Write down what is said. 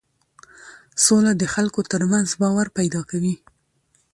سوله د خلکو ترمنځ باور پیدا کوي